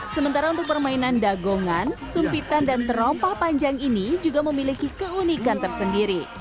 sementara untuk permainan dagongan sumpitan dan terompah panjang ini juga memiliki keunikan tersendiri